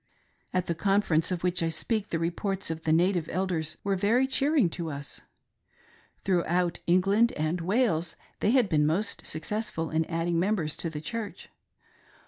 At the Conference of which I speak the reports of the native eiders were very cheer ing to us. Throughout England and Wales they had been most successful in adding members to the Church.